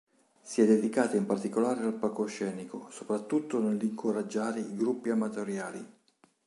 Si è dedicata in particolare al palcoscenico, soprattutto nell'incoraggiare i gruppi amatoriali.